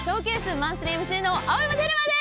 マンスリーＭＣの青山テルマです！